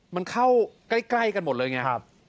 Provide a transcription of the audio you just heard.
มันเข้าใกล้กันหมดเลยไง